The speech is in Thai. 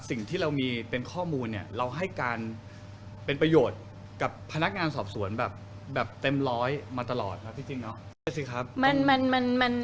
สิ่งที่เรามีเป็นข้อมูลเนี่ยเราให้การเป็นประโยชน์กับพนักงานสอบสวนแบบเต็มร้อยมาตลอดครับพี่จริงเนาะ